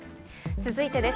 続いてです。